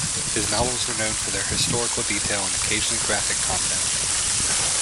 His novels were known for their historical detail and occasionally graphic content.